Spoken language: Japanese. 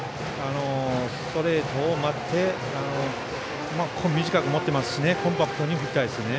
ストレートを待って短く持ってますしコンパクトに振りたいですね。